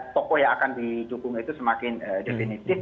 tokoh yang akan didukung itu semakin definitif